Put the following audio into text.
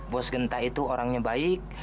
bos genta itu orangnya baik